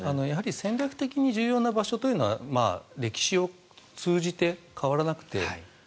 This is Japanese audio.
やはり戦略的に重要な場所というのは歴史を通じて変わらなくて